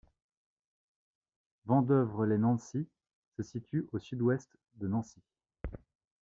Vandœuvre-lès-Nancy se situe au sud-ouest de Nancy.